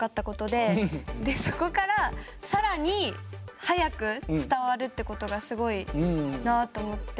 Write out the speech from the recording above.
でそこから更に速く伝わるって事がすごいなあと思って。